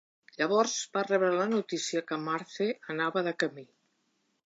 Llavors va rebre la notícia que Marthe anava de camí.